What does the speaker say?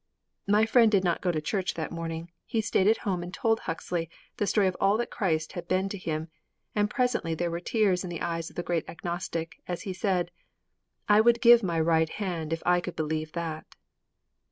My friend did not go to church that morning; he stayed at home and told Huxley the story of all that Christ had been to him; and presently there were tears in the eyes of the great agnostic as he said, "_I would give my right hand if I could believe that!